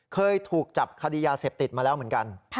เคยถูกจับคดียาเสพติดมาแล้วเหมือนกัน